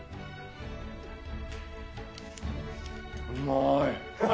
うまい。